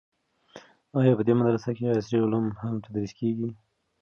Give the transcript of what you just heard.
آیا په دې مدرسه کې عصري علوم هم تدریس کیږي؟